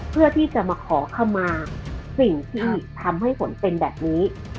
เพื่อที่จะมาขอคำมาสิ่งที่ทำให้ฝนเป็นแบบนี้